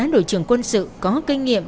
đội trưởng quân sự có kinh nghiệm